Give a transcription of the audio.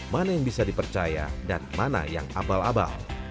mana yang bisa dipercaya dan mana yang abal abal